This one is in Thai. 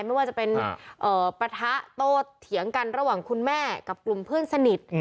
ไม่ว่าจะเป็นปะทะโตเถียงกันระหว่างคุณแม่กับกลุ่มเพื่อนสนิท